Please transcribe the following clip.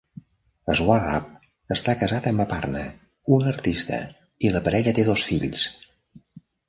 Swarup està casat amb Aparna, un artista, i la parella té dos fills.